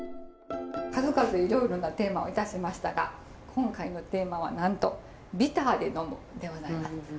数々いろいろなテーマをいたしましたが今回のテーマはなんと「ｂｉｔｔｅｒで呑む」でございます。